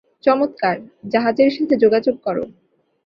চমৎকার, জাহাজের সাথে যোগাযোগ করো।